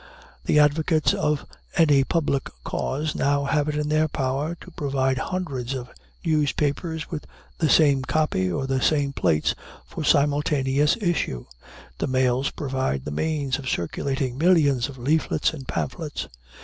The advocates of any public cause now have it in their power to provide hundreds of newspapers with the same copy, or the same plates, for simultaneous issue. The mails provide the means of circulating millions of leaflets and pamphlets.